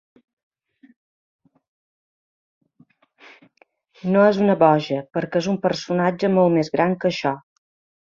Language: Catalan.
No és una boja, perquè és un personatge molt més gran que això.